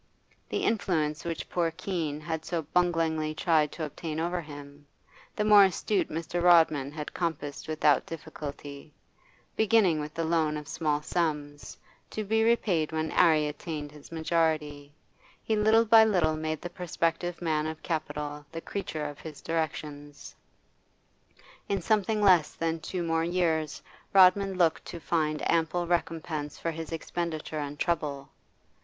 The influence which poor Keene had so bunglingly tried to obtain over him, the more astute Mr. Rodman had compassed without difficulty; beginning with the loan of small sums, to be repaid when 'Arry attained his majority, he little by little made the prospective man of capital the creature of his directions; in something less than two more years Rodman looked to find ample recompense for his expenditure and trouble.